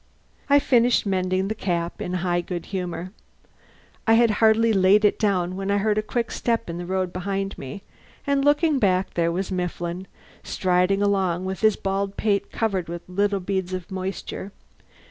I finished mending the cap in high good humour. I had hardly laid it down when I heard a quick step in the road behind me, and looking back, there was Mifflin, striding along with his bald pate covered with little beads of moisture.